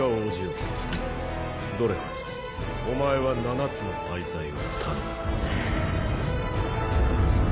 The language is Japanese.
ドレファスお前は七つの大罪を頼む。